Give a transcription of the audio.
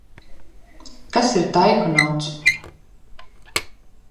Kas ir taikonauts?